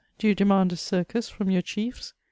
do you demand a circus &om your chiefs?